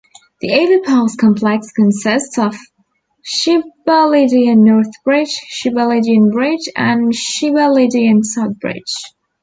The overpass complex consists of Shibalidian North Bridge, Shibalidian Bridge, and Shibalidian South Bridge.